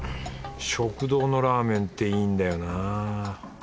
食堂のラーメンっていいんだよな。